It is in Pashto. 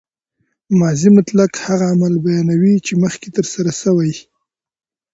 ماضي مطلق هغه عمل بیانوي، چي مخکښي ترسره سوی يي.